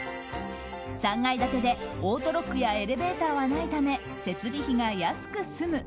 ３階建てでオートロックやエレベーターはないため設備費が安く済む。